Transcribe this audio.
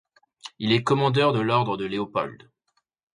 Il était commandeur de l'ordre de Léopold.